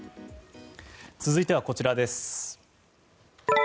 続いてはこちらです。